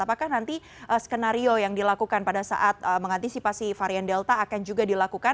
apakah nanti skenario yang dilakukan pada saat mengantisipasi varian delta akan juga dilakukan